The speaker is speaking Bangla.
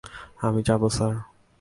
আমি যাব স্যার।